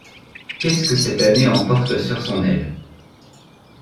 Qu'est-ce que cette année emporte sur son aile ?